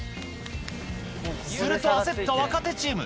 すると、焦った若手チーム。